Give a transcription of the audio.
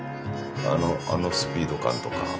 あのスピード感とか。